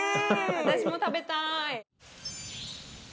私も食べたい。